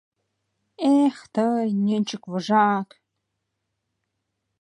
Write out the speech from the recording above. Эх, тый, нӧнчык вожак!